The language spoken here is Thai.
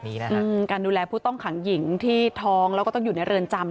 การดูแลผู้ต้องขังหญิงที่ท้องแล้วก็ต้องอยู่ในเรือนจำ